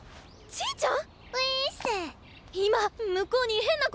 ちぃちゃん